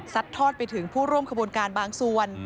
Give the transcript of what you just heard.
สัดทอดไปถึงผู้ร่วมคบูรณ์การบางส่วน